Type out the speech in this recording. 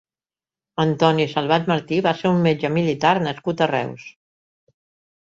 Antoni Salvat Martí va ser un metge militar nascut a Reus.